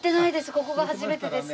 ここが初めてです。